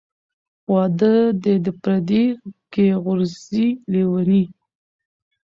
ـ واده دى د پرديي کې غورځي لېوني .